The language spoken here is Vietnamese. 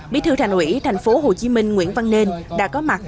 bí thư thành ủy tp hcm nguyễn văn nên đã có mặt